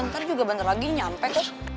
ntar juga bentar lagi nyampe tuh